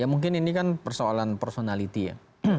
ya mungkin ini kan persoalan personality ya